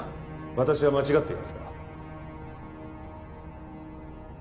私は間違っていますか？